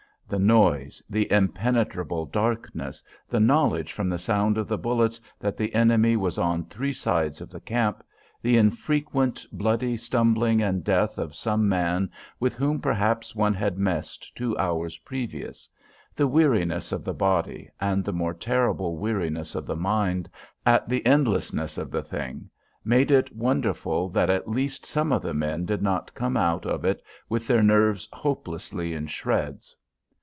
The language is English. The noise; the impenetrable darkness; the knowledge from the sound of the bullets that the enemy was on three sides of the camp; the infrequent bloody stumbling and death of some man with whom, perhaps, one had messed two hours previous; the weariness of the body, and the more terrible weariness of the mind, at the endlessness of the thing, made it wonderful that at least some of the men did not come out of it with their nerves hopelessly in shreds.